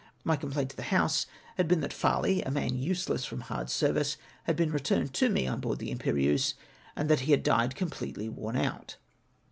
My complaint to the House had been that Farley, a man useless from hard service, had been returned to me on board the Tinjjerieuse., and that he had died completely worn out.